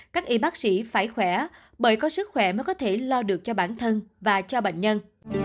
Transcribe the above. các y bác sĩ phải khỏe bởi có sức khỏe mới có thể lo được cho bản thân và cho bệnh nhân